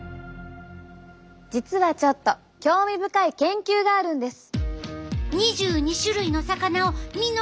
実はちょっと興味深い研究があるんです。